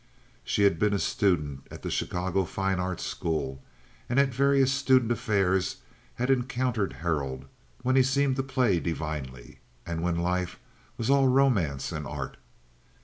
She had been a student at the Chicago Fine Arts School, and at various student affairs had encountered Harold when he seemed to play divinely, and when life was all romance and art.